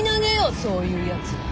そういうやつ。